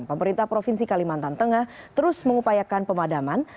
pemerintah provinsi kalimantan tengah terus mengupayakan pemadaman